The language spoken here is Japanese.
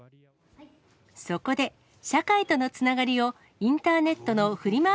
そこで、社会とのつながりをインターネットのフリマ